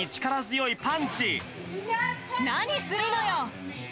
何するのよ！